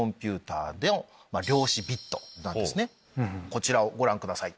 こちらをご覧ください。